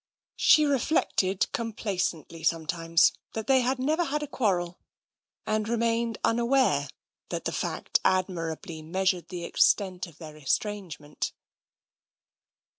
She reflected complacently sometimes that they had never had a quarrel — and remained unaware that the fact admirably measured the extent of their estrange ment.